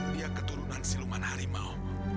dia keturunan siluman harimau